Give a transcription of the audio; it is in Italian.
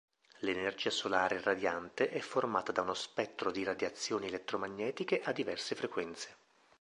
L'energia solare radiante è formata da uno spettro di radiazioni elettromagnetiche a diverse frequenze.